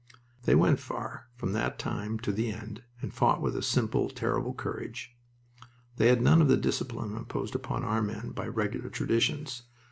They went far, from that time to the end, and fought with a simple, terrible courage. They had none of the discipline imposed upon our men by Regular traditions.